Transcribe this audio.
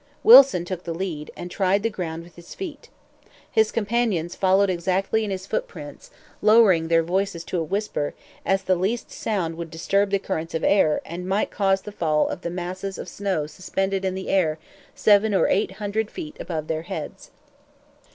Wilson took the lead, and tried the ground with his feet. His companions followed exactly in his footprints, lowering their voices to a whisper, as the least sound would disturb the currents of air, and might cause the fall of the masses of snow suspended in the air seven or eight hundred feet above their heads.